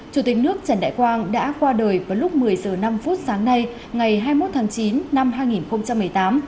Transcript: chủ tịch nước trần đại quang đã qua đời vào lúc một mươi h năm sáng nay ngày hai mươi một tháng chín năm hai nghìn một mươi tám